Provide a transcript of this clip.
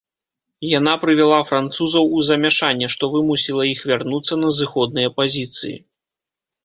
Яна прывяла французаў у замяшанне, што вымусіла іх вярнуцца на зыходныя пазіцыі.